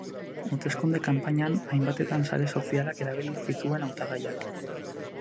Hauteskunde kanpainan hainbatetan sare sozialak erabili zituen hautagaiak.